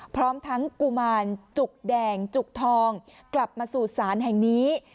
พร้อมทั้งกุมารจุกแดงจุกทองกลับมาสู่ศาลแห่งนี้